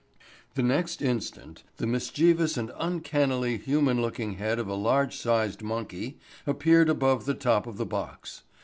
The next instant the mischievous and uncannily human looking head of a large sized monkey appeared above the top of the box.